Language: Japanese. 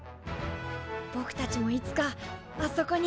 ぼくたちもいつかあそこに。